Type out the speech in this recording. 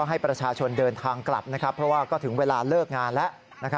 ให้ประชาชนเดินทางกลับเพราะว่าก็ถึงเวลาเลิกงานแล้ว